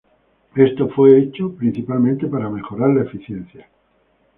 Esto fue hecho principalmente para mejorar la eficiencia.